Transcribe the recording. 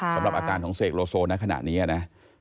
สำหรับอาการของเสกโลโซในขณะนี้นะ